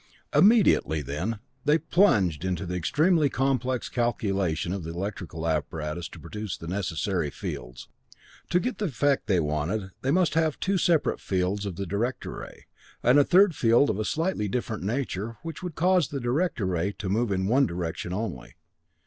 Immediately, then, they plunged into the extremely complex calculation of the electrical apparatus to produce the necessary fields. To get the effect they wanted, they must have two separate fields of the director ray, and a third field of a slightly different nature, which would cause the director ray to move in one direction only.